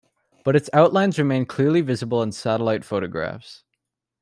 But its outlines remain clearly visible in satellite photographs.